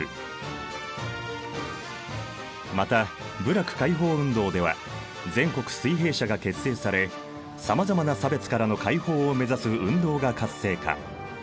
また部落解放運動では全国水平社が結成されさまざまな差別からの解放を目指す運動が活性化。